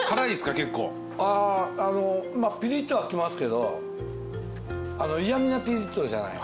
まあピリッとはきますけど嫌みなピリッとじゃない。